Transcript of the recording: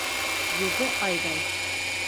Йөҙө айҙай